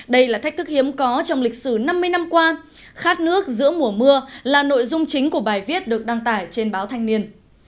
đây là thách thức hiếm có trong lịch sử năm mươi năm qua khát nước giữa mùa mưa là nội dung chính của bài viết được đăng tải trên báo thanh niên